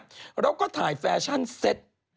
แล้วก็ถ่ายแฟชั่นเซ็ต